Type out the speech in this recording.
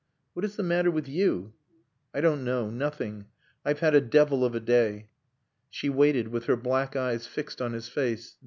"What is the matter with you?" "I don't know. Nothing. I've had a devil of a day." She waited, with her black eyes fixed on his face.